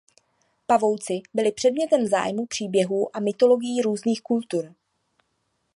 Pavouci byli předmětem zájmu příběhů a mytologií různých kultur.